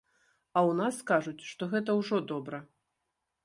А ў нас кажуць, што гэта ўжо добра.